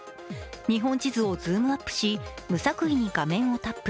日本地図をズームアップし無作為に画面をタップ。